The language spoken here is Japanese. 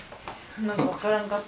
なんか分からんかって。